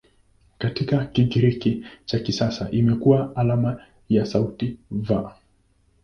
Katika Kigiriki cha kisasa imekuwa alama ya sauti "V".